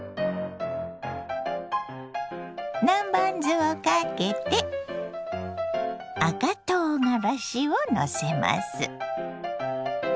南蛮酢をかけて赤とうがらしをのせます。